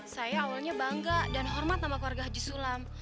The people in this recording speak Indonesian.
saya awalnya bangga dan hormat sama keluarga haji sulam